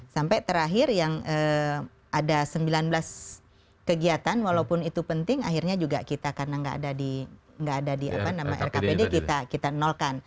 sampai terakhir yang ada sembilan belas kegiatan walaupun itu penting akhirnya juga kita karena nggak ada di rkpd kita nolkan